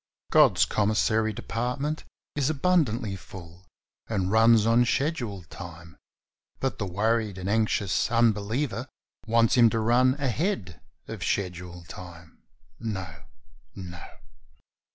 God's commissary department is abundantly full and runs on schedule time, but the worried and anxious unbeliever wants Him to run ahead of schedule time. No, no